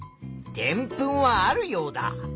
でんぷんはあるヨウダ。